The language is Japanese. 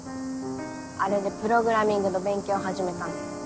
あれでプログラミングの勉強始めたんだよ。